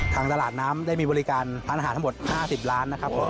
ทางตลาดน้ำได้มีบริการทางอาหารทั้งหมดห้าสิบล้านนะครับ